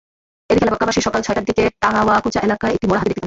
এদিকে এলাকাবাসী সকাল ছয়টার দিকে তাওয়াকোচা এলাকায় একটি মরা হাতি দেখতে পায়।